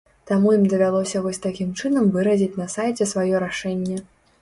Таму ім давялося вось такім чынам выразіць на сайце сваё рашэнне.